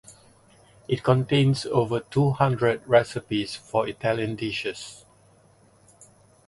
It contains over two hundred recipes for Italian dishes.